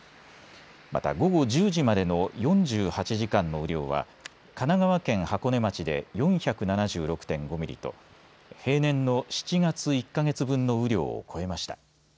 また午後１０時までの４８時間の雨量は神奈川県箱根町で４７６．５ミリと平年の７月１か月分の雨量を超えました。